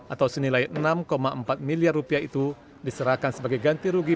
atau senilai enam empat miliar rupiah itu diserahkan sebagai ganti rugi